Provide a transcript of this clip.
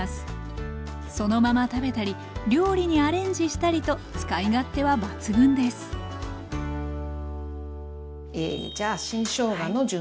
そのまま食べたり料理にアレンジしたりと使い勝手は抜群ですえじゃあ新しょうがの準備をしていきます。